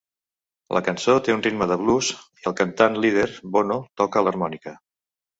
La cançó té un ritme de blues i el cantant líder Bono toca l'harmònica.